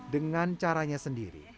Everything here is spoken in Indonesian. dengan caranya sendiri